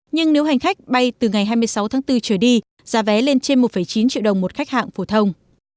nhưng nếu hành khách bay từ ngày hai mươi sáu tháng bốn trở đi giá vé lên trên một chín triệu đồng một khách hạng phổ thông